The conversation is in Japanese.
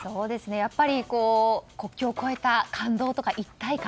やっぱり国境を越えた感動とか一体感。